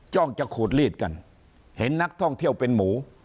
้องจะขูดลีดกันเห็นนักท่องเที่ยวเป็นหมู